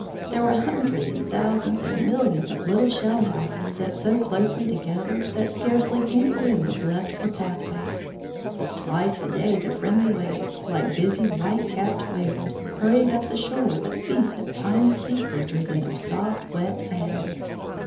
There were hundreds and thousands and millions of little shell houses, set so closely together that scarcely any room was left for pathways. Twice a day the friendly waves, like busy white capped waiters, hurried up the shore with a feast of tiny sea creatures in their soft, wet hands.